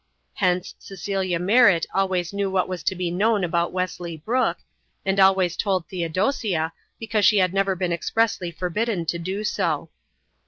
Hence, Cecilia Merritt always knew what was to be known about Wesley Brooke, and always told Theodosia because she had never been expressly forbidden to do so.